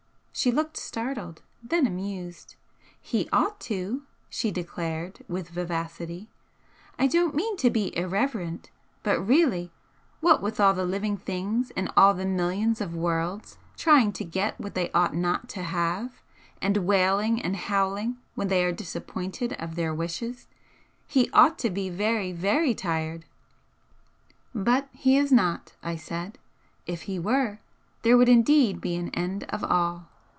She looked startled, then amused. "He ought to!" she declared, with vivacity "I don't mean to be irreverent, but really, what with all the living things in all the millions of worlds trying to get what they ought not to have, and wailing and howling when they are disappointed of their wishes, He ought to be very, very tired!" "But He is not," I said; "If He were, there would indeed be an end of all!